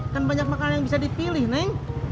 kan banyak makanan yang bisa dipilih neng